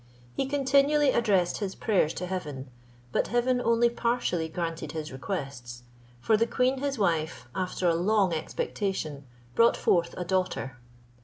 He continually addressed his prayers to heaven, but heaven only partially granted his requests, for the queen his wife, after a long expectation, brought forth a daughter.